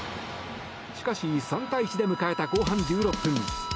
しかし、３対１で迎えた後半１６分。